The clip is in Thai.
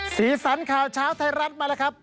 สีสันข่าวเช้าไทยรัฐมาแล้วครับ